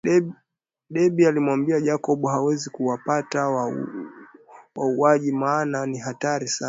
Debby alimwambia Jacob hawezi kuwapata wauwaji maana ni hatari sana